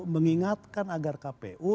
mengingatkan agar kpu